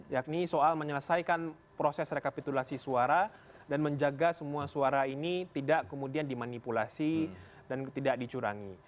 yakni soal menyelesaikan proses rekapitulasi suara dan menjaga semua suara ini tidak kemudian dimanipulasi dan tidak dicurangi